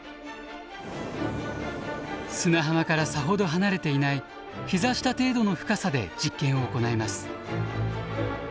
砂浜からさほど離れていないひざ下程度の深さで実験を行います。